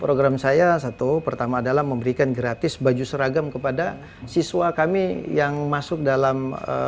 program saya satu pertama adalah memberikan gratis baju seragam kepada siswa kami yang masuk dalam